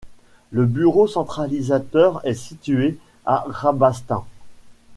Le bureau centralisateur est situé à Rabastens.